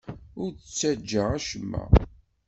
Ur d-ttaǧǧa acemma.